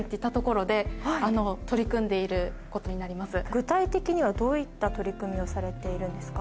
具体的にはどういった取り組みをされているんですか？